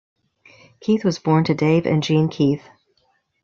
Keith was born to Dave and Jean Keith.